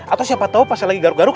atau siapa tahu pas lagi garuk garuk